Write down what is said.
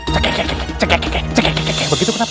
cek cek cek begitu kenapa